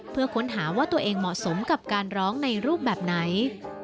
เพื่อค้นหาว่าตัวเองเหมาะสมกับการร้องในรูปแบบไหน